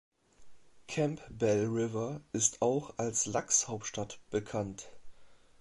Campbell River ist auch als „Lachs-Hauptstadt“ bekannt.